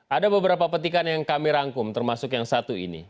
ada beberapa petikan yang kami rangkum termasuk yang satu ini